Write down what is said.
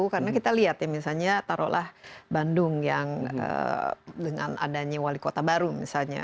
karena kita lihat ya misalnya taruhlah bandung yang dengan adanya wali kota baru misalnya